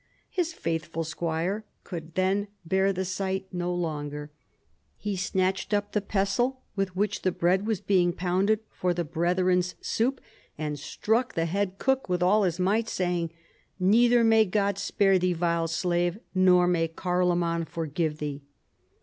His faithful squire could then bear the sight no longer. He snatched up the pestle with which the bread was being pounded for the brethren's soup, and struck the head cook with all his might, saying, " Neither may God spare thee, vile slave, nor may Carloman forgive thee."